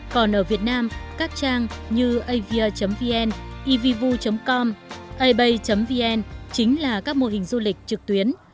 còn ở việt nam các trang như avia vn evvu com abay vn chính là các mô hình du lịch trực tuyến